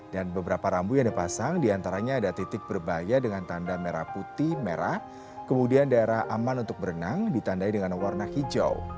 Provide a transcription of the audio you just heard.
dan beberapa rambu yang dipasang diantaranya ada titik berbaya dengan tanda merah putih merah kemudian daerah aman untuk berenang ditandai dengan warna hijau